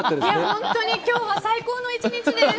本当に今日は最高の１日です。